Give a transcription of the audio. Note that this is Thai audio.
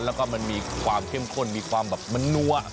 แล้วก็มันมีความเข้มข้นมีความแบบมันนัว